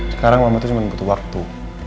sekarang mama itu cuma butuh waktu